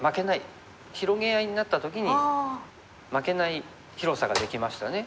広げ合いになった時に負けない広さができましたね。